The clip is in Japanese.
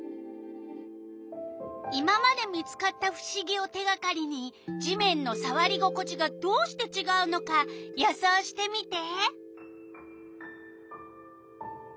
今まで見つかったふしぎを手がかりに地面のさわり心地がどうしてちがうのか予想してみて！